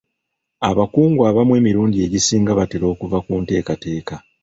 Abakungu abamu emirundi egisinga batera okuva ku nteekateeka.